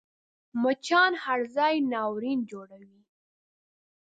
مچان هر ځای ناورین جوړوي